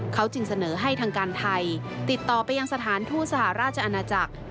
เขาจึงเสนอให้ทางการไทยติดต่อไปยังสถานทูตสหราชอาณาจักร